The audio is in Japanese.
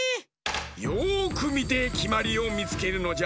よくみてきまりをみつけるのじゃ。